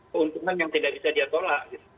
keuntungan yang tidak bisa dia tolak